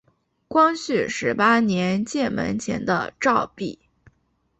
光绪十八年建门前的照壁。